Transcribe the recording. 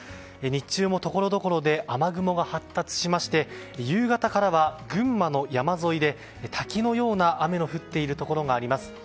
日中もところどころで雨雲が発達しまして夕方からは群馬の山沿いで滝のような雨が降っているところがあります。